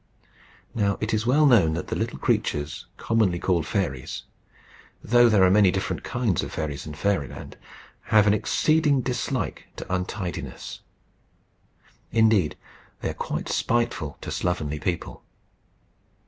Now, it is well known that the little creatures commonly called fairies, though there are many different kinds of fairies in Fairyland, have an exceeding dislike to untidiness. Indeed, they are quite spiteful to slovenly people.